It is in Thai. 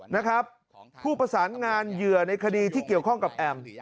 นะครับผู้ประสานงานเหยื่อในคดีที่เกี่ยวข้องกับแอม